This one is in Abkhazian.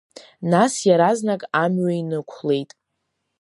Нас иаразнак амҩа инықәлеит.